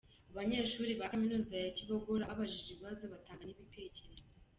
Abanyeshuri ba Kaminuza ya Kibogora babajije ibibazo batanga n’ibitekerezo.